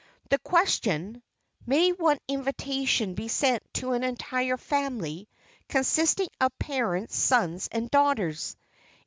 The question, "May one invitation be sent to an entire family, consisting of parents, sons and daughters?"